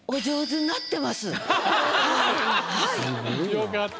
よかった。